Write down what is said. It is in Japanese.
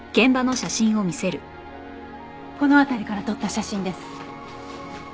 この辺りから撮った写真です。